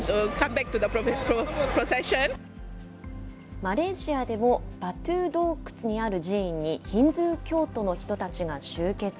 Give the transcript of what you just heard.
マレーシアでも、バトゥ洞窟にある寺院にヒンズー教徒の人たちが集結。